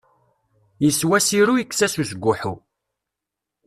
Yeswa Sirru yekkes-as usguḥḥu.